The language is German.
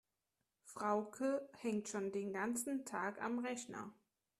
Frauke hängt schon den ganzen Tag am Rechner.